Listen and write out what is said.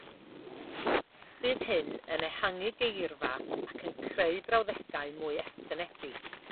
Bydd hyn yn ehangu geirfa ac yn creu brawddegau mwy estynedig